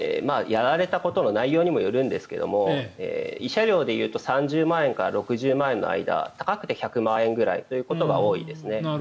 やられたことの内容にもよるんですが慰謝料で言うと３０万円から６０万円の間高くて１００万円ぐらいということが多いですね。